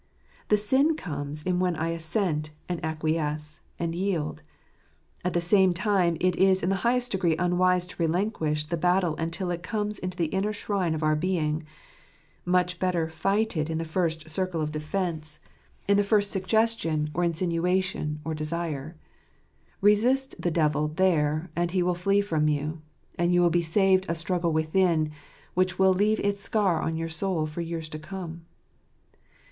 The sin comes in when I assent, and acquiesce, and yield. At the same time, it is in the highest degree unwise to relinquish the battle until it comes into the inner shrine of our being. Much better fight it in the first circle of defence — in the first 42 Hitt tl jt of Jpattpljar. suggestion, or insinuation, or desire. Resist the devil there/ and he will flee from you; and you will be saved a struggle within, which will leave its scar on your soul for years to come.